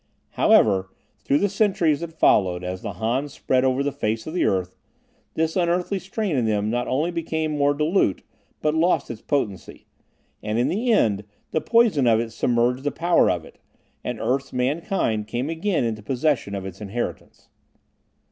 However, through the centuries that followed, as the Hans spread over the face of the earth, this unearthly strain in them not only became more dilute, but lost its potency; and in the end, the poison of it submerged the power of it, and earth's mankind came again into possession of its inheritance.